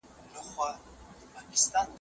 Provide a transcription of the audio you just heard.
که کورنۍ کار وکړي نو څوک نه وږي کیږي.